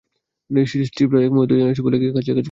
Stifler, এক মুহূর্তের জন্য এসব ভুলে গিয়ে কাজের কাজ কিছু কর।